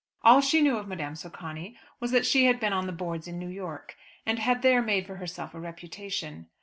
All she knew of Madame Socani was that she had been on the boards in New York, and had there made for herself a reputation.